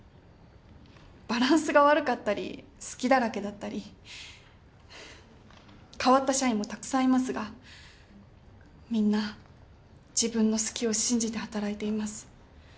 バランスが悪かったり隙だらけだったり変わった社員もたくさんいますがみんな自分の好きを信じて働いています。